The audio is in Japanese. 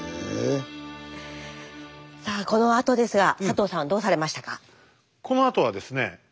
さあこのあとですが佐藤さんどうされましたか？